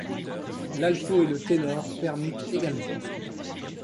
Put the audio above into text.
L'alto et le ténor permutent également.